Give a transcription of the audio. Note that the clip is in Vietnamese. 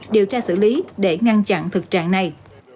điều tra xử lý để ngăn chặn thực trạng này